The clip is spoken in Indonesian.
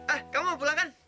ah kamu mau pulang kan